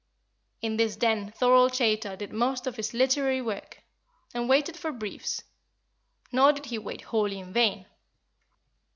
In this den Thorold Chaytor did most of his literary work, and waited for briefs; nor did he wait wholly in vain.